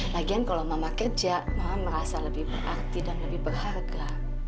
lagian kalau mama kerja mama merasa lebih berarti dan lebih berharga